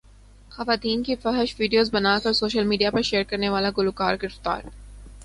خواتین کی فحش ویڈیوز بناکر سوشل میڈیا پرشیئر کرنے والا گلوکار گرفتار